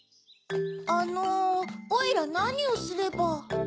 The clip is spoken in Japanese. あのおいらなにをすれば？